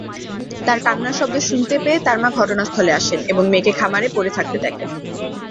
তার কান্নার শব্দ শুনতে পেয়ে তার মা ঘটনাস্থলে আসেন এবং মেয়েকে খামারে পড়ে থাকতে দেখেন।